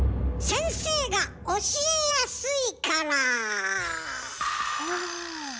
先生が教えやすい。